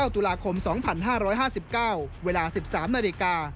ตุลาคม๒๕๕๙เวลา๑๓นาฬิกา